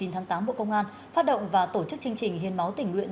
một mươi chín tháng tám bộ công an phát động và tổ chức chương trình hiên máu tình nguyện